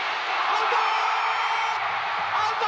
アウト！